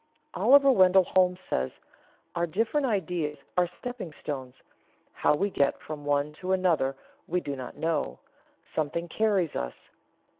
Oliver Wendell Holmes says: "Our different ideas are stepping stones; how we get from one to another we do not know; something carries us.